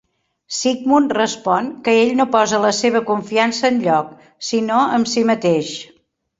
Sigmund respon que ell no posa la seva confiança enlloc, sinó amb si mateix.